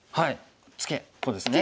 ツケこうですね。